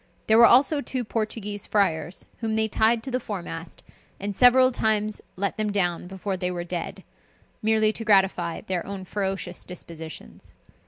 There were also two Portuguese friars, whom they tied to the foremast, and several times let them down before they were dead, merely to gratify their own ferocious dispositions.